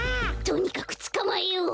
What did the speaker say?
とにかくつかまえよう。